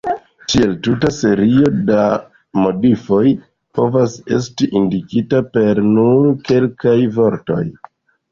Tiel tuta serio da modifoj povas esti indikita per nur kelkaj vortoj.